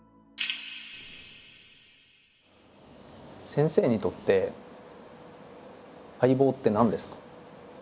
先生にとって解剖って何ですか？